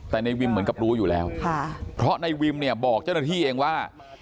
แต่ในวิมเหมือนกับรู้อยู่แล้วค่ะเพราะในวิมเนี่ยบอกเจ้าหน้าที่เองว่า